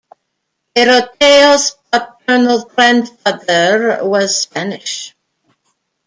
Peyroteo's paternal grandfather was Spanish.